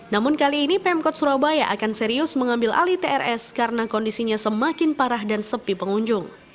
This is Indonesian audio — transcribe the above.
namun kali ini pemkot surabaya akan serius mengambil alih trs karena kondisinya semakin parah dan sepi pengunjung